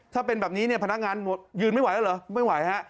ถ้าเป็นแบบนี้เนี่ยพนักงานยืนไม่ไหวแล้วเหรอไม่ไหวฮะ